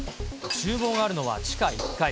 ちゅう房があるのは地下１階。